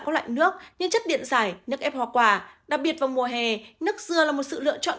các loại nước như chất điện giải nước ép hoa quả đặc biệt vào mùa hè nước dưa là một sự lựa chọn